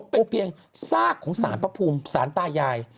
เป็นเพียงซากของสารพระภูมิสารตายาย